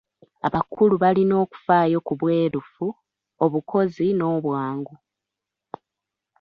Abakulu balina okufaayo ku bwerufu, obukozi n'obwangu.